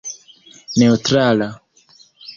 neŭtrala